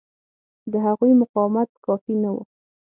د هغوی مقاومت کافي نه و.